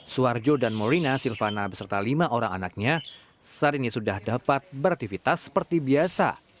suharjo dan morina silvana beserta lima orang anaknya saat ini sudah dapat beraktivitas seperti biasa